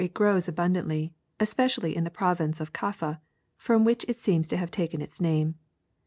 COFFEE 173 grows abundantly, especially in the province of Kaffa, from which it seems to have taken its name."